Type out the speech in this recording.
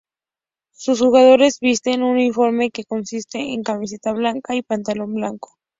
Sus jugadores visten un uniforme que consiste en camiseta blanca y pantalón blanco.